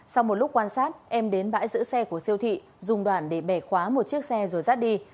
sau một lúc quan sát em đến bãi giữ xe của siêu thị dùng đoàn để bẻ khóa một chiếc xe rồi rát đi